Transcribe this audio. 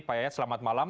pak yayat selamat malam